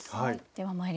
はい。